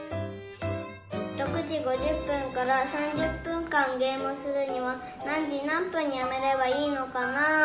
６時５０分から３０分間ゲームをするには何時何分にやめればいいのかな？